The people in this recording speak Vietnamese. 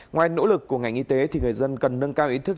ngoài nỗ lực của ngành y tế thì người dân cần nâng cao ý thức